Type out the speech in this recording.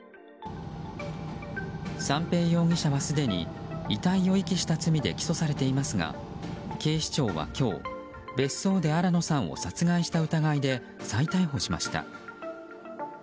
三瓶容疑者はすでに遺体を遺棄した罪で起訴されていますが警視庁は今日別荘で新野さんを殺害した疑いで再逮捕しました。